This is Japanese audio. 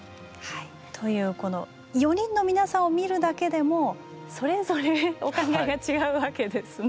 というこの４人の皆さんを見るだけでもそれぞれお考えが違うわけですね。